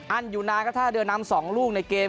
อันอยู่นานก็ถ้าเดินนำ๒ลูกในเกม